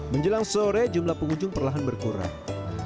menjelang sore jumlah pengunjung perlahan berkurang